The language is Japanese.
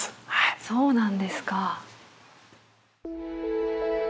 そうなんですか。